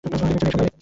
এইজন্যই সময় নাই!